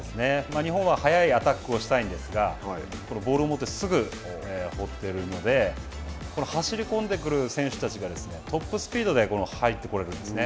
日本は速いアタックをしたいんですがこのボールを持ってすぐ放ってるのでこの走り込んでくる選手たちがトップスピードで入ってこれるんですね。